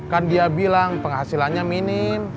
kan dia bilang penghasilannya minim